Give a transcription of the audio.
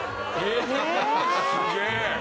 すげえ！